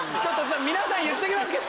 皆さん言っときますけど。